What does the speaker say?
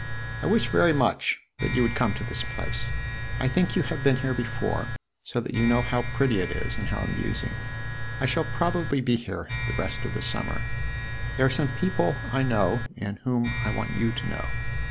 "I wish very much that you would come to this place. I think you have been here before, so that you know how pretty it is, and how amusing. I shall probably be here the rest of the summer. There are some people I know and whom I want you to know.